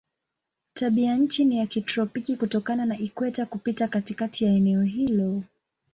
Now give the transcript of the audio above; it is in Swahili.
Tabianchi ni ya kitropiki kutokana na ikweta kupita katikati ya eneo hilo.